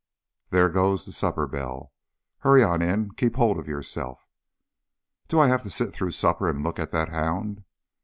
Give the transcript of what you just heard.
There goes the supper bell. Hurry on in. Keep hold on yourself." "Do I have to sit through supper and look at that hound?"